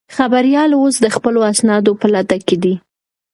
خبریال اوس د خپلو اسنادو په لټه کې دی.